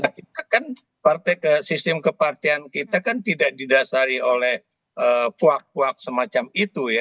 kita kan sistem kepartian kita kan tidak didasari oleh puak puak semacam itu ya